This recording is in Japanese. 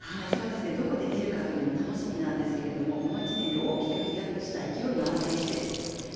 どこで出るかというのも楽しみなんですけどこの１年で大きく飛躍した選手です。